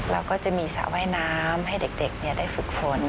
เราก็จะมีสระว่ายน้ำให้เด็กได้ฝึกฝน